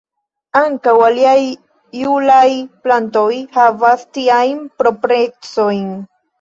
Ankaŭ aliaj julaj plantoj havas tiajn proprecojn.